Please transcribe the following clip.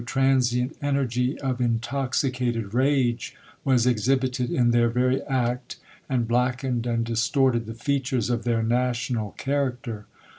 Q73 transient energy of intoxicated roj^e was exhibited in their very act, and blackened and distorted ihe features of their national character.